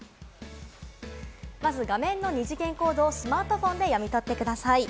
まず画面の二次元コードをスマートフォンで読み取ってください。